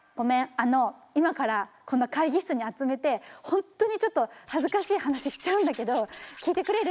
あの今からこの会議室に集めて本当にちょっと恥ずかしい話しちゃうんだけど聞いてくれる？」